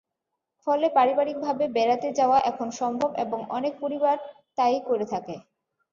ফলে পারিবারিকভাবে বেড়াতে যাওয়া এখন সম্ভব এবং অনেক পরিবারই তা-ই করে থাকে।